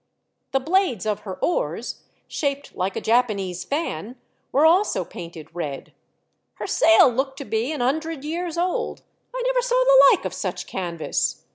The blades of her oars, shaped like a Japanese fan, were also painted red. Her sail looked to be an hundred years old — I never saw the like of such canvas.